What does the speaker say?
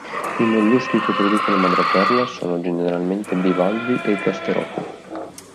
I molluschi che producono madreperla sono generalmente bivalvi e gasteropodi.